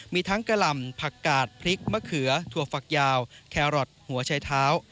มีทั้งกะหล่ำผักกาดพริกมะเขือถั่วฝักยาวแครอทหัวชายเท้า